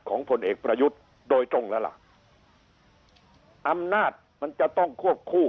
ผลเอกประยุทธ์โดยตรงแล้วล่ะอำนาจมันจะต้องควบคู่